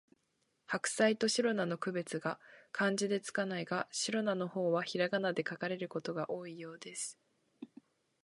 ハクサイとシロナの区別が漢字で付かないが、シロナの方はひらがなで書かれることが多いようです